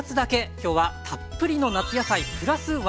今日は「たっぷりの夏野菜プラス１」